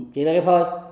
chỉ là cái phơi